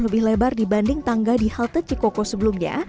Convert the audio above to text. lebih lebar dibanding tangga di halte cikoko sebelumnya